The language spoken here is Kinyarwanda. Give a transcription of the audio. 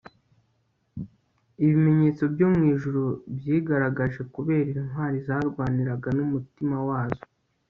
ibimenyetso byo mu ijuru byigaragaje kubera intwari zarwaniraga n'umutima wazo